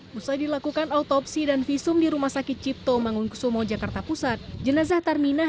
setelah dilakukan autopsi dan visum di rumah sakit cipto mangunkusumo jakarta pusat jenazah tarminah